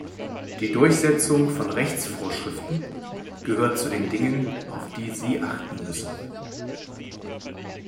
Die Durchsetzung von Rechtsvorschriften gehört zu den Dingen, auf die Sie achten müssen.